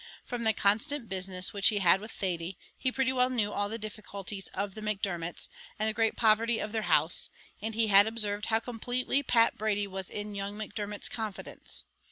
From the constant business which he had with Thady, he pretty well knew all the difficulties of the Macdermots, and the great poverty of their house; and he had observed how completely Pat Brady was in young Macdermot's confidence.